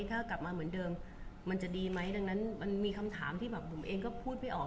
ถ้ากลับมาเหมือนเดิมมันจะดีไหมดังนั้นมันมีคำถามที่แบบบุ๋มเองก็พูดไม่ออก